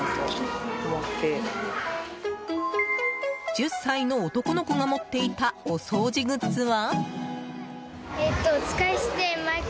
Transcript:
１０歳の男の子が持っていたお掃除グッズは？